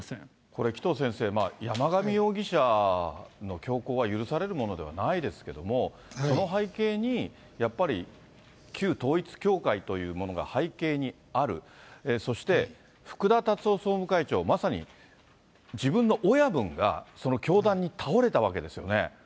これ、紀藤先生、山上容疑者の凶行は許されるものではないですけれども、その背景に、やっぱり、旧統一教会というものが、背景にある、そして、福田達夫総務会長、まさに自分の親分が、その凶弾に倒れたわけですよね。